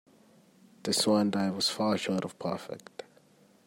The swan dive was far short of perfect.